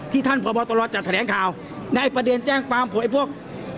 ท่านพบตรจัดแถลงข่าวในประเด็นแจ้งความไอ้พวก